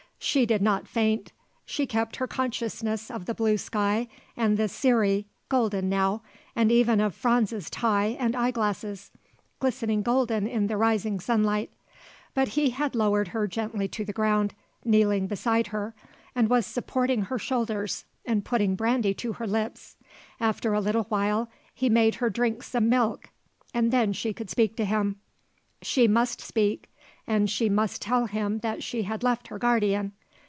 She did not faint; she kept her consciousness of the blue sky and the cirri golden now and even of Franz's tie and eyeglasses, glistening golden in the rising sunlight; but he had lowered her gently to the ground, kneeling beside her, and was supporting her shoulders and putting brandy to her lips. After a little while he made her drink some milk and then she could speak to him. She must speak and she must tell him that she had left her guardian.